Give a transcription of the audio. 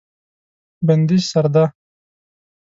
بندي سرده